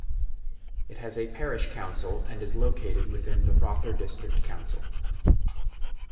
It has a parish council and is located within the Rother District Council.